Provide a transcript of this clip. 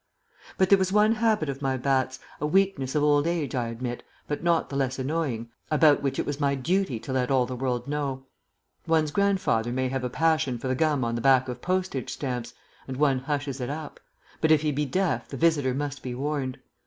But there was one habit of my bat's a weakness of old age, I admit, but not the less annoying about which it was my duty to let all the world know. One's grandfather may have a passion for the gum on the back of postage stamps, and one hushes it up; but if he be deaf the visitor must be warned.